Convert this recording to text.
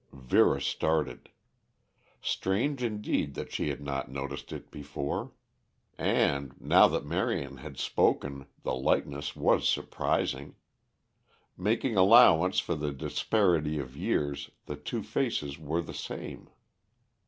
Vera started. Strange, indeed, that she had not noticed it before. And, now that Marion had spoken the likeness was surprising. Making allowance for the disparity of years, the two faces were the same.